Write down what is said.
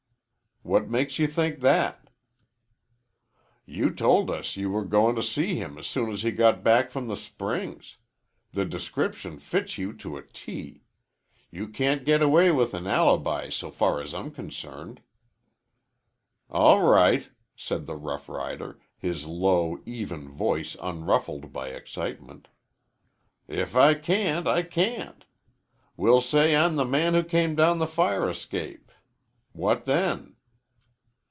"What makes you think that?" "You told us you were going to see him as soon as he got back from the Springs. The description fits you to a T. You can't get away with an alibi so far as I'm concerned." "All right," said the rough rider, his low, even voice unruffled by excitement. "If I can't, I can't. We'll say I'm the man who came down the fire escape. What then?"